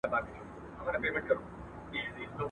گواکي موږ به تل له غم سره اوسېږو.